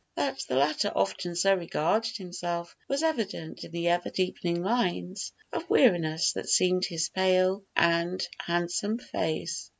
That the latter often so regarded himself was evident in the ever deepening lines of weariness that seamed his pale and handsome face.